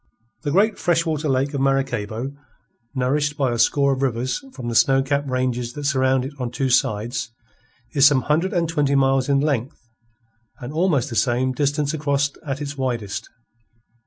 The great freshwater lake of Maracaybo, nourished by a score of rivers from the snow capped ranges that surround it on two sides, is some hundred and twenty miles in length and almost the same distance across at its widest.